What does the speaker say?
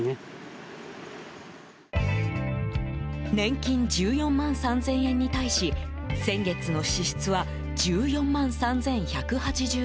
年金１４万３０００円に対し先月の支出は１４万３１８６円。